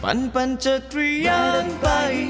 ปันปันจะกระยังไป